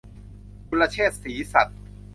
กุลเชษฐ ศรีสัตย์